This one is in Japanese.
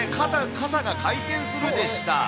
傘が回転するでした。